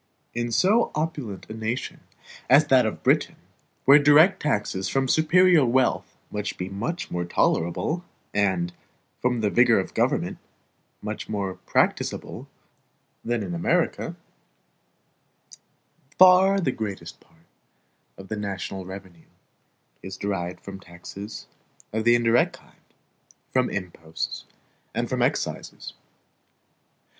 In so opulent a nation as that of Britain, where direct taxes from superior wealth must be much more tolerable, and, from the vigor of the government, much more practicable, than in America, far the greatest part of the national revenue is derived from taxes of the indirect kind, from imposts, and from excises.